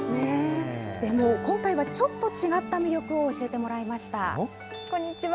今回はちょっと違った魅力を教えてもらいました。